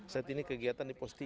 saat ini kegiatan di pos tiga